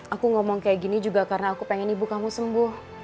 aku ngomong kayak gini juga karena aku pengen ibu kamu sembuh